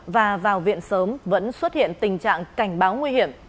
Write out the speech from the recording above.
và vào viện sớm vẫn xuất hiện tình trạng cảnh báo nguy hiểm